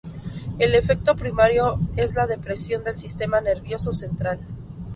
El efecto primario es la depresión del sistema nervioso central.